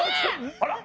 あら？